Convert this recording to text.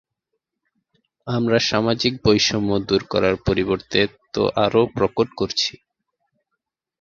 আমরা সামাজিক বৈষম্য দূর করার পরিবর্তে তো আরও প্রকট করছি।